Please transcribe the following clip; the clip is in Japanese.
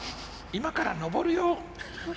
「今から登るよ！」。